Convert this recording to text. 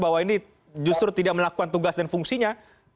bahwa ini justru tidak melakukan tugas dan fungsinya